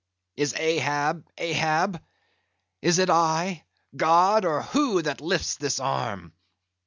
Is Ahab, Ahab? Is it I, God, or who, that lifts this arm?